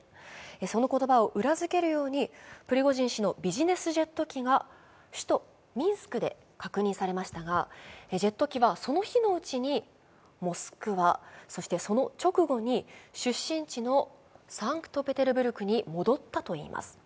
その言葉を裏付けるようにプリゴジン氏のビジネスジェット機が首都ミンスクで確認されましたがジェット機はその日のうちにモスクワ、そしてその直後に出身地のサンクトペテルブルクに戻ったといいます。